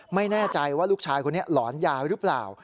ไม่แน่ใจว่าลูกชายคนนี้หลอนยาหรือเปล่า